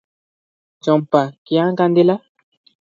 ଚମ୍ପା କ୍ୟାଁ କାନ୍ଦିଲା?